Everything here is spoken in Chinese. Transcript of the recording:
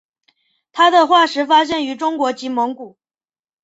它的化石发现于中国及蒙古。